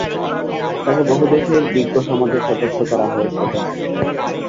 তাকে বহু দেশের বিজ্ঞ সমাজের সদস্য করা হয়েছিল।